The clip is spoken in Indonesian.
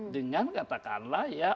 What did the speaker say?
dengan katakanlah ya